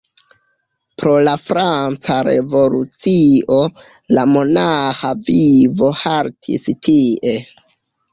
Pro la franca revolucio, la monaĥa vivo haltis tie.